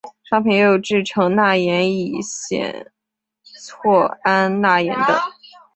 商品也有制成钠盐乙酰唑胺钠盐的。